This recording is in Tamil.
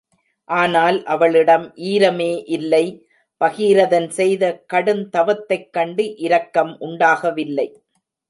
ஆனால் அவளிடம் ஈரமே இல்லை பகீரதன் செய்த கடுந்தவத்தைக் கண்டும் இரக்கம் உண்டாகவில்லை.